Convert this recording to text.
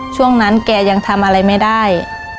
ช่วงนั้นแกยังทำอะไรไม่ได้